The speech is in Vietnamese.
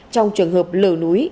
trong trường hợp lửa núi